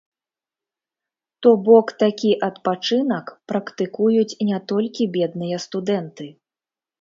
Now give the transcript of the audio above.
То бок такі адпачынак практыкуюць не толькі бедныя студэнты.